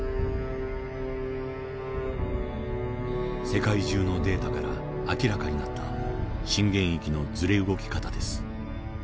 世界中のデータから明らかになった震源域のずれ動き方です。